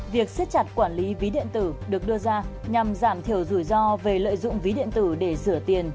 việc xếp chặt quản lý ví điện tử được đưa ra nhằm giảm thiểu rủi ro về lợi dụng ví điện tử để rửa tiền